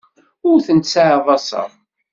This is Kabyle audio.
Ur tent-sseɛḍaseɣ.